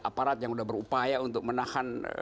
aparat yang sudah berupaya untuk menahan